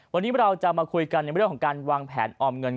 วันนี้เราจะมาคุยกันในเรื่องของการวางแผนออมเงิน